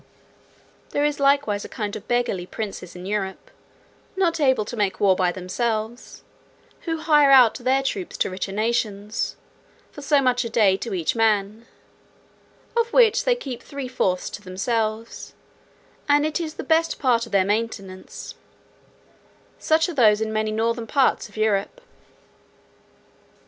"There is likewise a kind of beggarly princes in Europe, not able to make war by themselves, who hire out their troops to richer nations, for so much a day to each man; of which they keep three fourths to themselves, and it is the best part of their maintenance: such are those in many northern parts of Europe."